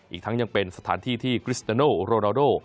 อีกทั้งยังเป็นสถานที่ที่คริสตาโนโรนาโด